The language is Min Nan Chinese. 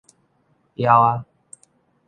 枵矣